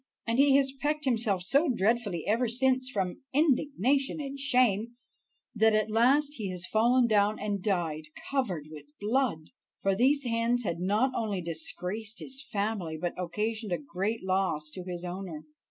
And he has pecked himself so dreadfully ever since from indignation and shame that at last he has fallen down and died, covered with blood. For these hens had not only disgraced his family, but occasioned a great loss to his owner."